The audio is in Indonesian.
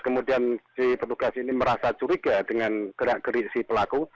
kemudian si petugas ini merasa curiga dengan gerak geri si pelaku